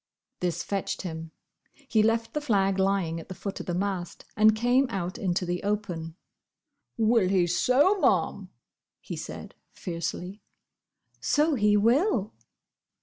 This fetched him. He left the flag lying at the foot of the mast, and came out into the open. "Will he so, Ma'am!" he said, fiercely. "So he will!"